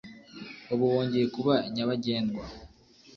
ubu wongeye kuba Nyabagendwa